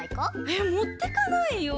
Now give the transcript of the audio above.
えっもってかないよ！